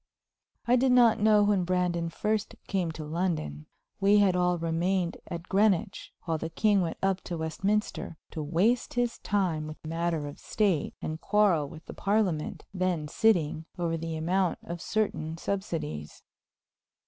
I did not know when Brandon first came to London. We had all remained at Greenwich while the king went up to Westminster to waste his time with matters of state and quarrel with the Parliament, then sitting, over the amount of certain subsidies.